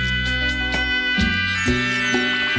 อินโทรเพลงที่๗มูลค่า๒๐๐๐๐๐บาทครับ